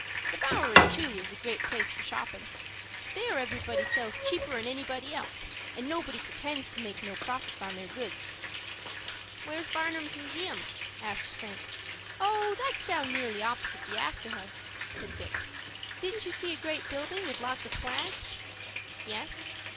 The Bowery, too, is a great place for shoppin'. There everybody sells cheaper'n anybody else, and nobody pretends to make no profit on their goods." "Where's Barnum's Museum?" asked Frank. "Oh, that's down nearly opposite the Astor House," said Dick. "Didn't you see a great building with lots of flags?" "Yes."